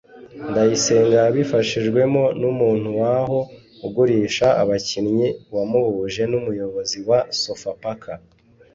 Ndayisenga yabifashijwemo n’umuntu waho ugurisha abakinnyi wamuhuje n’umuyobozi wa Sofapaka